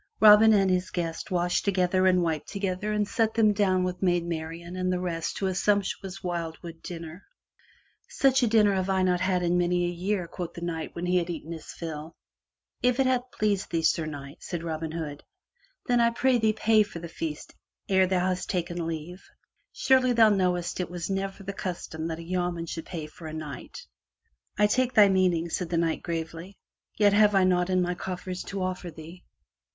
Robin and his guest washed together and wiped together and sat them down with Maid Marian and the rest to a sumptuous wildwood dinner. "Such a dinner have I not had in many a year," quoth the Knight, when he had eaten his fill. "If it hath pleased thee, sir Knight," said Robin Hood, "then 63 M Y BOOK HOUSE ^5b ^v^^;^^>" I prithee pay for the feast ere thou takest leave. Surely thou knowest it was never the custom that a yeoman should pay for a knight/ ' I take thy meaning/* said the Knight gravely, "yet have I naught in my coffers to offer thee.